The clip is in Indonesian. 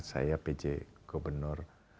saya pj gubernur